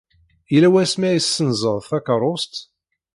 Yella wasmi ay tessenzeḍ takeṛṛust?